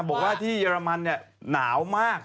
บอกว่าที่เยอรมันหนาวมาก